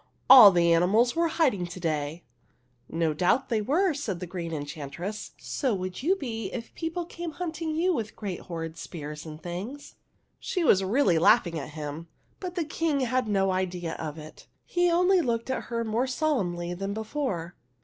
" All the animals were hiding to day." *' No doubt they were," said the Green En THE HUNDREDTH PRINCESS 51 chantress. " So would you be, if people came hunting you with great horrid spears and things !'* She was really laughing at him, but the King had no idea of it. He only looked at her more solemnly than before.